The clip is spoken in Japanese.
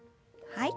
はい。